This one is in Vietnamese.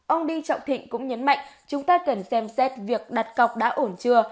ông đinh trọng thịnh cũng nhấn mạnh chúng ta cần xem xét việc đặt cọc đã ổn chưa